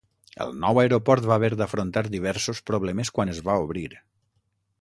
El nou aeroport va haver d'afrontar diversos problemes quan es va obrir.